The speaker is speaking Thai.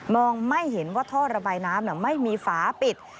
ไม่เห็นว่าท่อระบายน้ำไม่มีฝาปิด